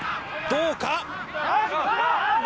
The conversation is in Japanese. どうか。